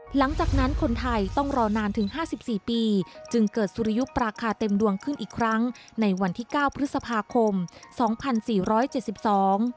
หลังจากนั้นคนไทยต้องรอนานถึงห้าสิบสี่ปีจึงเกิดสุริยุปราคาเต็มดวงขึ้นอีกครั้งในวันที่เก้าพฤษภาคมสองพันสี่ร้อยเจ็ดสิบสอง